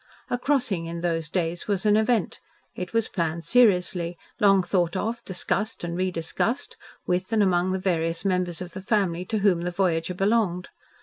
"A crossing" in those days was an event. It was planned seriously, long thought of, discussed and re discussed, with and among the various members of the family to which the voyager belonged.